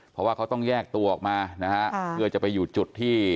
เพราะว่าเขาต้องแยกตัวออกมานะฮะเพื่อจะไปอยู่จุดที่